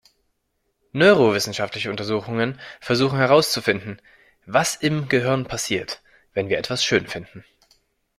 Neurowissenschaftliche Untersuchungen versuchen herauszufinden, was im Gehirn passiert, wenn wir etwas „schön“ finden.